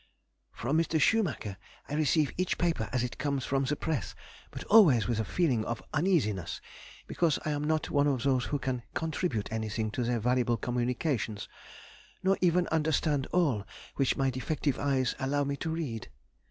From Mr. Schumacher I receive each paper as it comes from the press, but always with a feeling of uneasiness, because I am not one of those who can contribute anything to their valuable communications, nor even understand all which my defective eyes allow me to read.